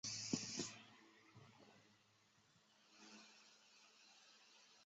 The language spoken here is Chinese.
其中里杜湖是慈溪市最大的饮用水源水库。